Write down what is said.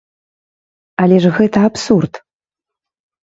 Але гэта ж абсурд.